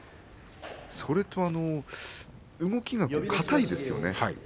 それと動きがかたいですよね